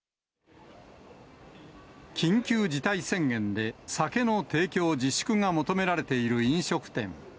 緊急事態宣言で酒の提供自粛が求められている飲食店。